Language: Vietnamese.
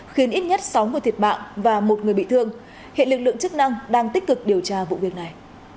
khiến ít nhất sáu người thiệt mạng và một người bị thương hiện lực lượng chức năng đang tích cực điều tra vụ việc này